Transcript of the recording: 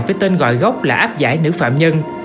với tên gọi gốc là áp giải nữ phạm nhân